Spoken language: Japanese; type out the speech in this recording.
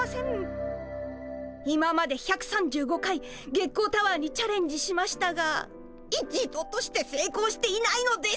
今まで１３５回月光タワーにチャレンジしましたが一度としてせいこうしていないのです。